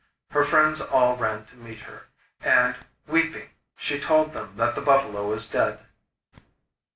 Her friends all ran to meet her, and, weeping, she told them that the buffalo was dead.